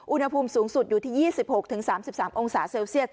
อุณหภูมิสูงสุดอยู่ที่๒๖๓๓องศาเซลเซียส